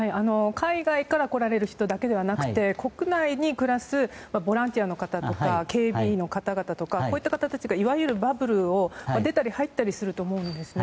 海外から来られる人だけではなくて国内に暮らすボランティアの方とか警備員の方たちがバブルを出たり入ったりすると思うんですね。